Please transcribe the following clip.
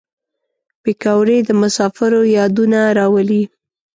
پکورې د مسافرو یادونه راولي